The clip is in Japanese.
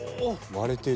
割れてる。